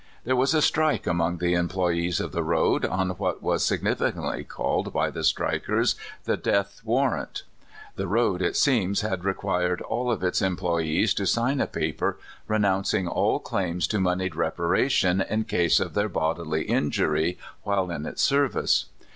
There was a strike. among the employes of the road, on what was significantly called by the strikers 'The Death warrant/ The road, it seems, had required all of their employes to sign a paper renouncing all claims to moneyed reparation in case of their bodily injury while in the service of the road.